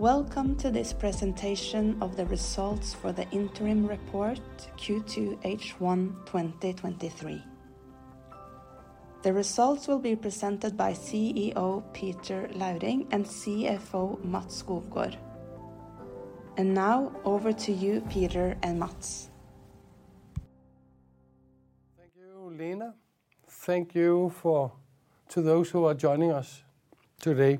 Welcome to this presentation of the results for the interim report, Q2 H1, 2023. The results will be presented by CEO Peter Lauring and CFO Mads Skovgaard. Now over to you, Peter and Mads. Thank you, Lena. Thank you for... To those who are joining us today.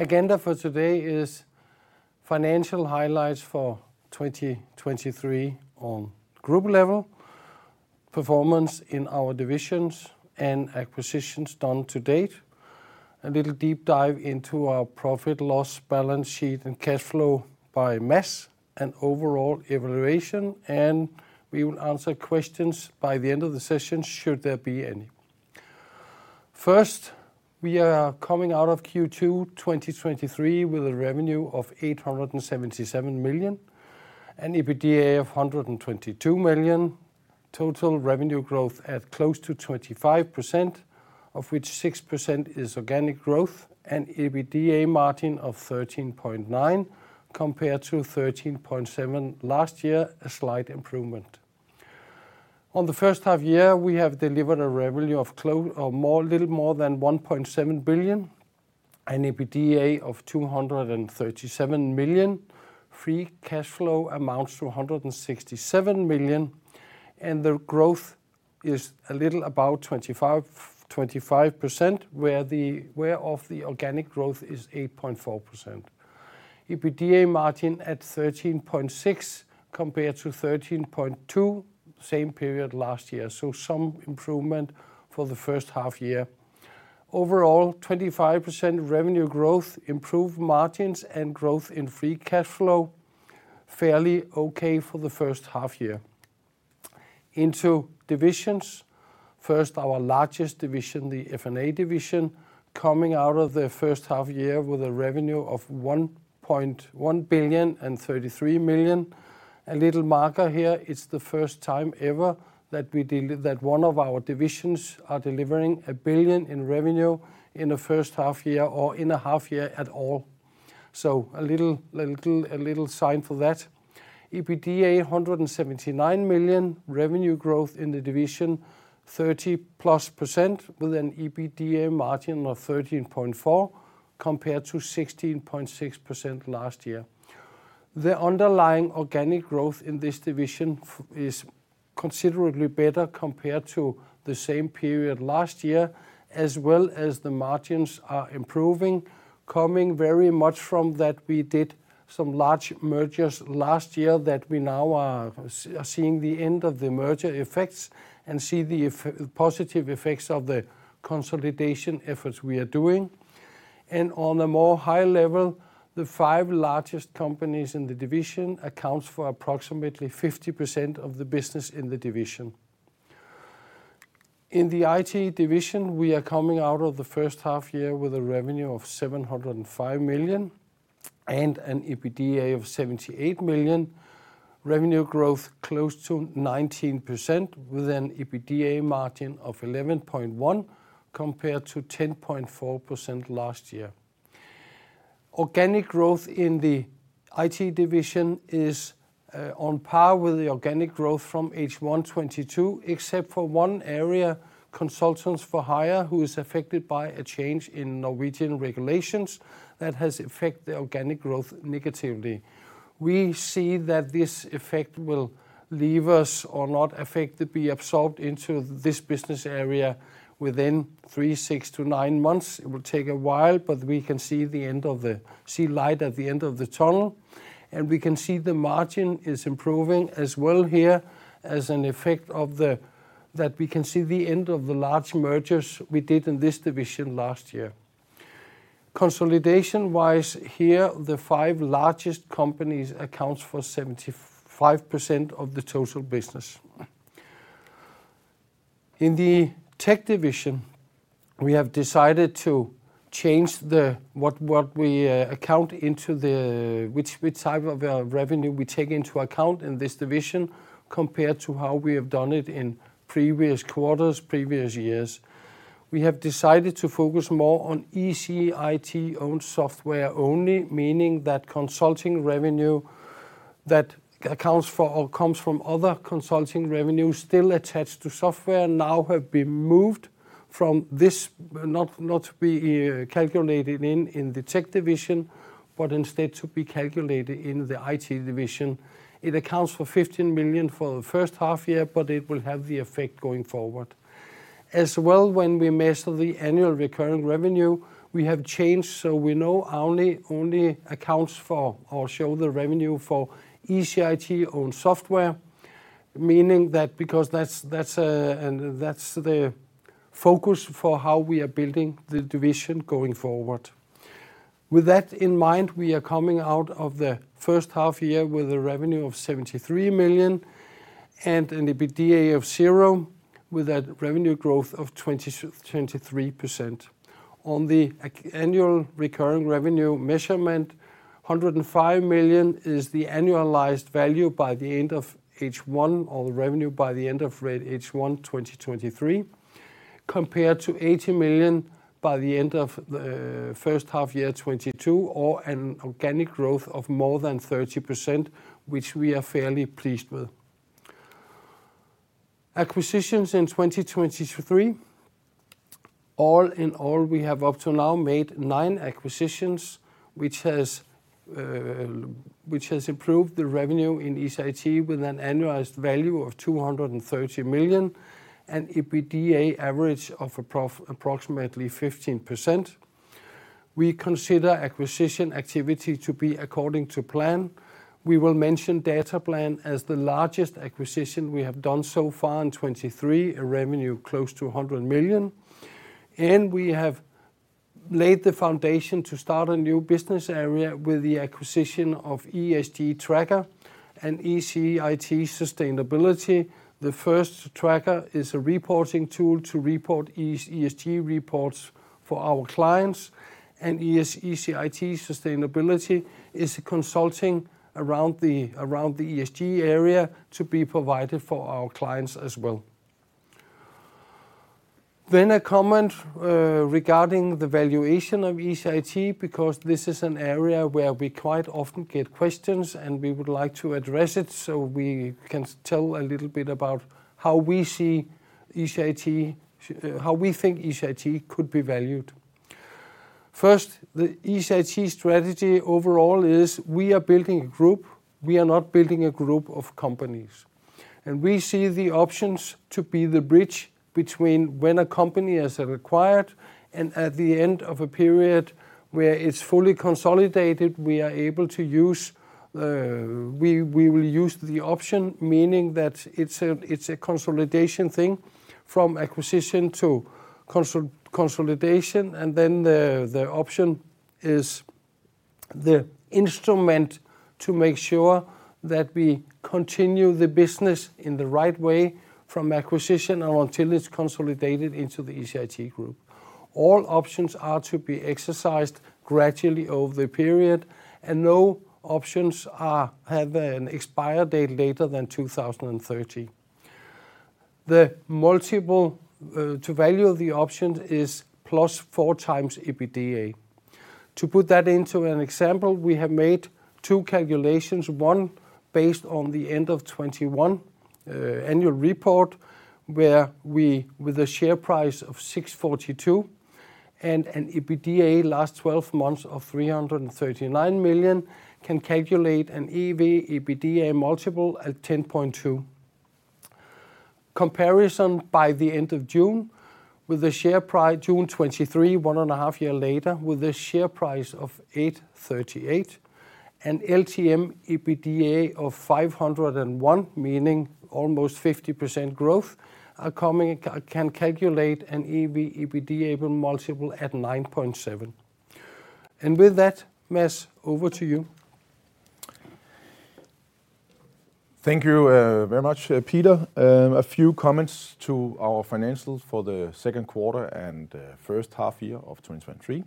Agenda for today is financial highlights for 2023 on group level, performance in our divisions, and acquisitions done to date. A little deep dive into our profit, loss, balance sheet, and cash flow by Mads and overall evaluation, and we will answer questions by the end of the session, should there be any. First, we are coming out of Q2 2023, with a revenue of 877 million and EBITDA of 122 million. Total revenue growth at close to 25%, of which 6% is organic growth and EBITDA margin of 13.9% compared to 13.7% last year, a slight improvement. In the first half year, we have delivered a revenue of a little more than 1.7 billion and EBITDA of 237 million. Free cash flow amounts to 167 million, and the growth is a little above 25%, whereof the organic growth is 8.4%. EBITDA margin at 13.6% compared to 13.2%, same period last year, so some improvement for the first half year. Overall, 25% revenue growth, improved margins, and growth in free cash flow, fairly okay for the first half year. Into divisions. First, our largest division, the F&A division, coming out of the first half year with a revenue of 1.1 billion and 33 million. A little marker here, it's the first time ever that we deli... That one of our divisions are delivering 1 billion in revenue in the first half year or in a half year at all. So a little sign for that. EBITDA, 179 million. Revenue growth in the division, 30%+, with an EBITDA margin of 13.4%, compared to 16.6% last year. The underlying organic growth in this division is considerably better compared to the same period last year, as well as the margins are improving, coming very much from that we did some large mergers last year that we now are seeing the end of the merger effects, and see the positive effects of the consolidation efforts we are doing. And on a more high level, the five largest companies in the division accounts for approximately 50% of the business in the division. In the IT division, we are coming out of the first half year with a revenue of 705 million and an EBITDA of 78 million. Revenue growth, close to 19%, with an EBITDA margin of 11.1%, compared to 10.4% last year. Organic growth in the IT division is on par with the organic growth from H1 2022, except for one area, consultants for hire, who is affected by a change in Norwegian regulations that has affect the organic growth negatively. We see that this effect will leave us or not affect, be absorbed into this business area within three, six to nine months. It will take a while, but we can see light at the end of the tunnel. We can see the margin is improving as well here, as an effect of that we can see the end of the large mergers we did in this division last year. Consolidation-wise, here, the five largest companies accounts for 75% of the total business. In the tech division, we have decided to change the what we account into the, which type of revenue we take into account in this division, compared to how we have done it in previous quarters, previous years. We have decided to focus more on ECIT-owned software only, meaning that consulting revenue that accounts for or comes from other consulting revenue still attached to software, now have been moved from this, not to be calculated in the tech division, but instead to be calculated in the IT division. It accounts for 15 million for the first half year, but it will have the effect going forward. As well, when we measure the annual recurring revenue, we have changed so we now only accounts for, or show the revenue for ECIT-owned software, meaning that because that's, that's, and that's the focus for how we are building the division going forward. With that in mind, we are coming out of the first half year with a revenue of 73 million and an EBITDA of zero, with a revenue growth of 23%. On the annual recurring revenue measurement-... 105 million is the annualized value by the end of H1, or the revenue by the end of H1, 2023, compared to 80 million by the end of the first half year, 2022, or an organic growth of more than 30%, which we are fairly pleased with. Acquisitions in 2023. All in all, we have up to now made nine acquisitions, which has improved the revenue in ECIT with an annualized value of 230 million, and EBITDA average of approximately 15%. We consider acquisition activity to be according to plan. We will mention Dataplan as the largest acquisition we have done so far in 2023, a revenue close to 100 million, and we have laid the foundation to start a new business area with the acquisition of ESG Trackr and ECIT Sustainability. The first tracker is a reporting tool to report ESG reports for our clients, and ECIT Sustainability is consulting around the ESG area to be provided for our clients as well. Then a comment regarding the valuation of ECIT, because this is an area where we quite often get questions, and we would like to address it, so we can tell a little bit about how we see ECIT, how we think ECIT could be valued. First, the ECIT strategy overall is we are building a group, we are not building a group of companies. And we see the options to be the bridge between when a company is acquired and at the end of a period where it's fully consolidated, we are able to use... We will use the option, meaning that it's a consolidation thing from acquisition to consolidation, and then the option is the instrument to make sure that we continue the business in the right way from acquisition or until it's consolidated into the ECIT group. All options are to be exercised gradually over the period, and no options have an expiry date later than 2030. The multiple to value the option is +4x EBITDA. To put that into an example, we have made two calculations, one based on the end of 2021 annual report, where with a share price of 6.42 and an EBITDA last 12 months of 339 million, can calculate an EV/EBITDA multiple at 10.2x. Comparison by the end of June, with the share price June 2023, one and a half year later, with a share price of 838, and LTM EBITDA of 501, meaning almost 50% growth, can calculate an EV/EBITDA multiple at 9.7. And with that, Mads, over to you. Thank you, very much, Peter. A few comments to our financials for the second quarter and first half year of 2023.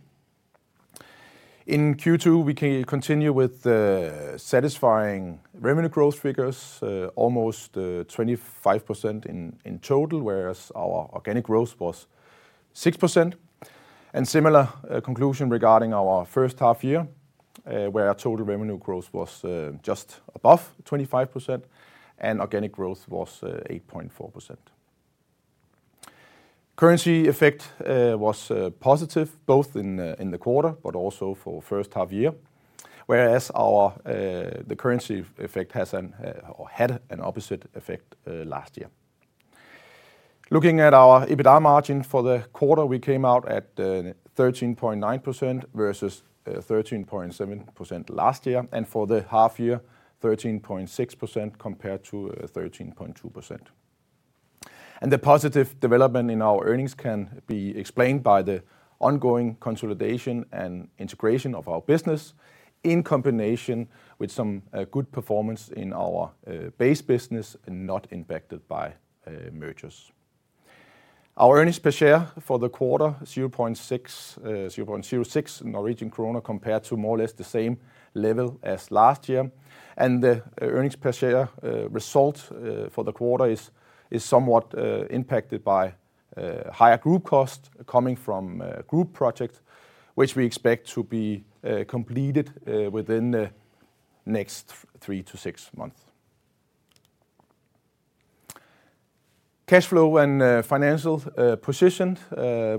In Q2, we can continue with the satisfying revenue growth figures, almost 25% in total, whereas our organic growth was 6%. Similar conclusion regarding our first half year, where our total revenue growth was just above 25% and organic growth was 8.4%. Currency effect was positive, both in the quarter, but also for first half year, whereas the currency effect had an opposite effect last year. Looking at our EBITDA margin for the quarter, we came out at 13.9% versus 13.7% last year, and for the half year, 13.6% compared to 13.2%. The positive development in our earnings can be explained by the ongoing consolidation and integration of our business, in combination with some good performance in our base business, not impacted by mergers. Our earnings per share for the quarter, NOK 0.6, 0.06, compared to more or less the same level as last year. The earnings per share result for the quarter is somewhat impacted by higher group cost coming from group project, which we expect to be completed within the next three to six months. Cash flow and financial position.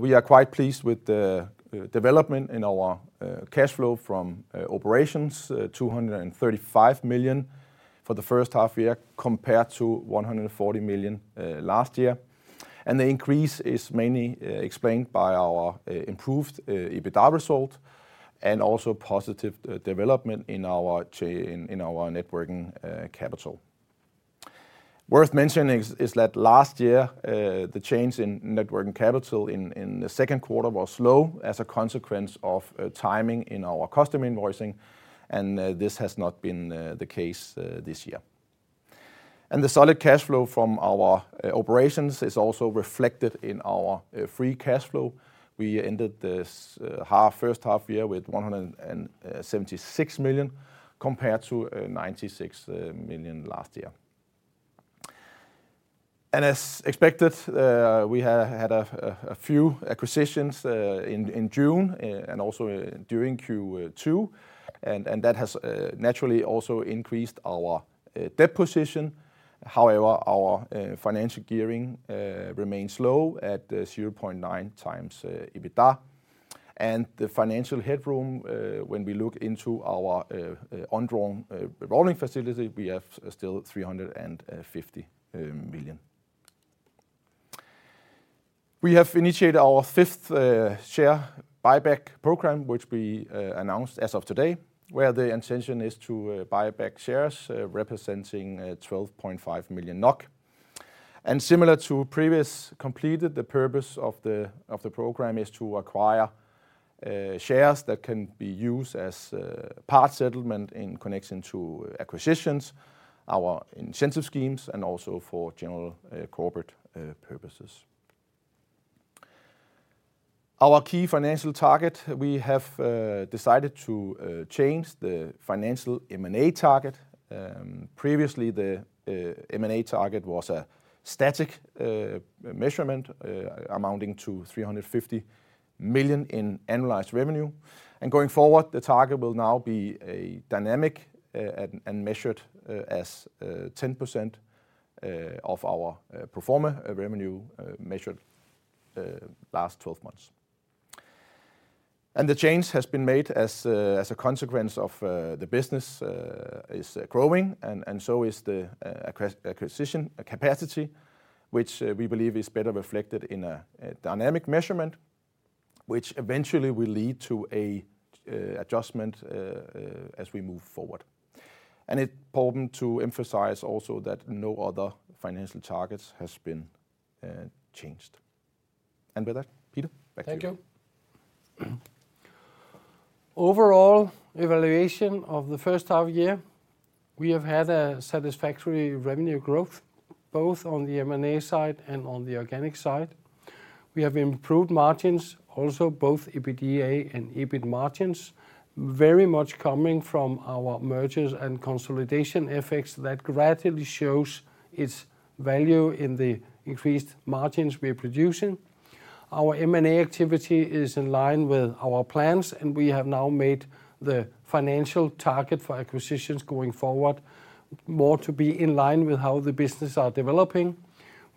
We are quite pleased with the development in our cash flow from operations, 235 million for the first half year, compared to 140 million last year. The increase is mainly explained by our improved EBITDA result and also positive development in our net working capital. Worth mentioning is that last year, the change in net working capital in the second quarter was low as a consequence of timing in our customer invoicing, and this has not been the case this year. The solid cash flow from our operations is also reflected in our free cash flow. We ended this half, first half year with 176 million, compared to 96 million last year. As expected, we had a few acquisitions in June and also during Q2, and that has naturally also increased our debt position. However, our financial gearing remains low at 0.9x EBITDA. The financial headroom, when we look into our undrawn revolving facility, we have still 350 million. We have initiated our fifth share buyback program, which we announced as of today, where the intention is to buy back shares representing 12.5 million NOK. Similar to previous completed, the purpose of the program is to acquire shares that can be used as part settlement in connection to acquisitions, our incentive schemes, and also for general corporate purposes. Our key financial target, we have decided to change the financial M&A target. Previously, the M&A target was a static measurement amounting to 350 million in annualized revenue. Going forward, the target will now be a dynamic and measured as 10% of our pro forma revenue measured last 12 months. The change has been made as a consequence of the business is growing, and so is the acquisition capacity, which we believe is better reflected in a dynamic measurement, which eventually will lead to a adjustment as we move forward. And it's important to emphasize also that no other financial targets has been changed. And with that, Peter, back to you. Thank you. Overall evaluation of the first half year, we have had a satisfactory revenue growth, both on the M&A side and on the organic side. We have improved margins, also both EBITDA and EBIT margins, very much coming from our mergers and consolidation effects that gradually shows its value in the increased margins we are producing. Our M&A activity is in line with our plans, and we have now made the financial target for acquisitions going forward, more to be in line with how the business are developing.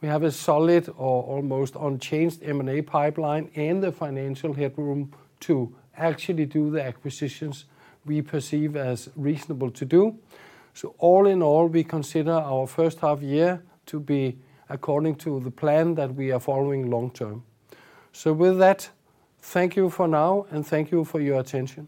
We have a solid or almost unchanged M&A pipeline and the financial headroom to actually do the acquisitions we perceive as reasonable to do. So all in all, we consider our first half year to be according to the plan that we are following long term. So with that, thank you for now, and thank you for your attention.